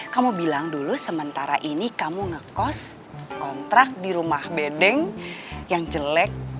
kamu bilang dulu sementara ini kamu ngekos kontrak di rumah bedeng yang jelek